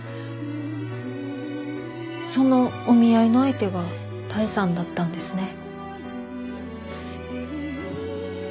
そのお見合いの相手が多江さんだったんですね。